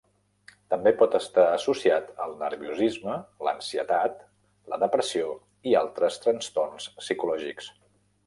També pot estar associat al nerviosisme, l'ansietat, la depressió i altres trastorns psicològics.